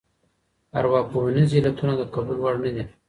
ارواپوهنیز علتونه د قبول وړ نه دي.